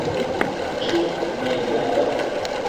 Ĉu ne granda?